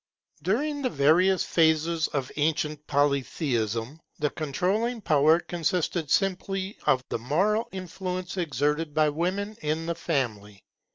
During the various phases of ancient Polytheism, the controlling power consisted simply of the moral influence exerted by women in the Family.